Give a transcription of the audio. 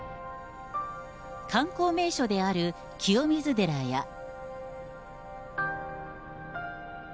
観光名所である清水寺や。